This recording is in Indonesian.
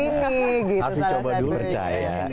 harus dicoba dulu percaya